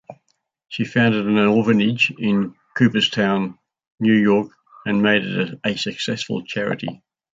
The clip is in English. She founded an orphanage in Cooperstown, New York and made it a successful charity.